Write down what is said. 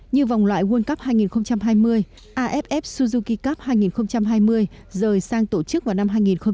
như vòng loại world cup hai nghìn hai mươi aff suzuki cup hai nghìn hai mươi rời sang tổ chức vào năm hai nghìn hai mươi một